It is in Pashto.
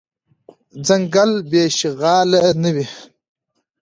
ځنګل بی شغاله نه وي .